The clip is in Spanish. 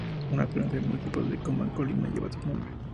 Una colonia en el municipio de Tecomán, Colima, lleva su nombre.